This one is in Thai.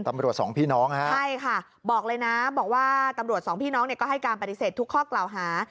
สองพี่น้องฮะใช่ค่ะบอกเลยนะบอกว่าตำรวจสองพี่น้องเนี่ยก็ให้การปฏิเสธทุกข้อกล่าวหา